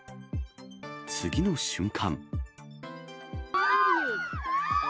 次の瞬間。